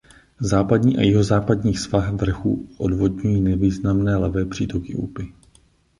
Západní a jihozápadní svah vrchu odvodňují nevýznamné levé přítoky Úpy.